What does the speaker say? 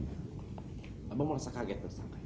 apa melasa kaget